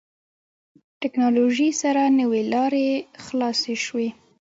ټکنالوژي سره نوې لارې خلاصې شوې.